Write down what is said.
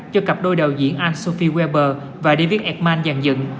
do cặp đôi đạo diễn anne sophie weber và david ekman dàn dựng